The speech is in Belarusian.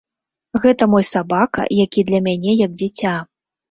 Гэта мой сабака, які для мяне як дзіця.